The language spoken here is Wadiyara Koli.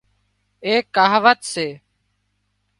ايڪ ڪهاوت سي